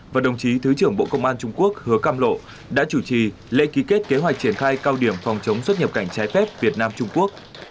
và đồng chí thứ trưởng bộ công an trung quốc hứa cam lộ đã chủ trì lễ ký kết kế hoạch triển khai cao điểm phòng chống xuất nhập cảnh trái phép việt nam trung quốc